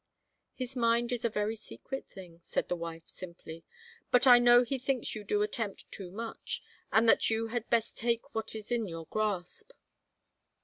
" His mind is a very secret thing," said the wife simply. " But I know he thinks you do attempt too much, and that you had best take what is in your grasp."